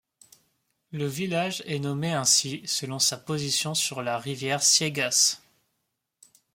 Le village est nommé ainsi selon sa position sur la rivière Siegas.